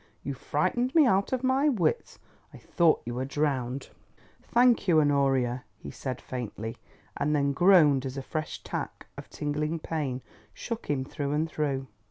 You frightened me out of my wits. I thought you were drowned." "Thank you, Honoria," he said faintly, and then groaned as a fresh attack of tingling pain shook him through and through.